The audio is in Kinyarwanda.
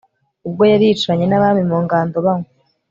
ubwo yari yicaranye n abami mu ngando banywa